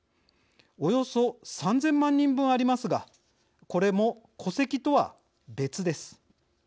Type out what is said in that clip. およそ３，０００万人分ありますがこれも戸籍とは別です。